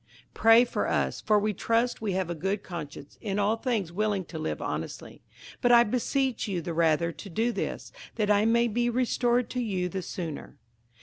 58:013:018 Pray for us: for we trust we have a good conscience, in all things willing to live honestly. 58:013:019 But I beseech you the rather to do this, that I may be restored to you the sooner.